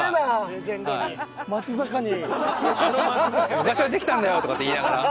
「昔はできたんだよ」とかって言いながら。